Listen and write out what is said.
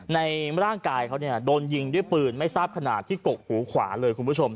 ในร่างกายเขาเนี่ยโดนยิงด้วยปืนไม่ทราบขนาดที่กกหูขวาเลยคุณผู้ชม